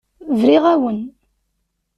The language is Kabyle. Briɣ-awen.